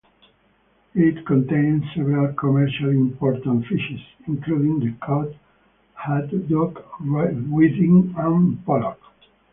It contains several commercially important fishes, including the cod, haddock, whiting, and pollock.